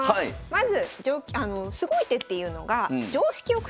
まずすごい手っていうのが常識を覆す